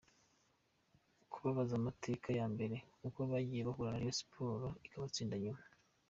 kubabaza amateka ya mbere uko bagiye bahura na Rayon Sports ikabatsinda, nyuma.